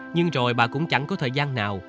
nhưng rồi bà cũng chẳng có thời gian nào